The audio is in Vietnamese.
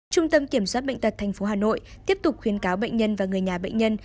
trung tâm kiểm soát bệnh tật tp hà nội tiếp tục khuyến cáo bệnh nhân và người nhà bệnh nhân